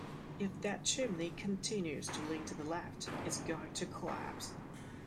If that chimney continues to lean to the left, it's going to collapse.